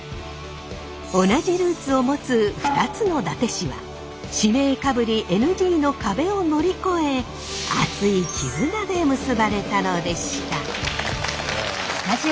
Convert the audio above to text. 同じルーツを持つ２つの伊達市は市名かぶりＮＧの壁を乗り越え熱い絆で結ばれたのでした。